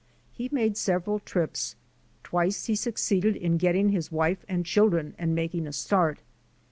He made several trips. Twice he succeeded in getting his wife and children and making a start.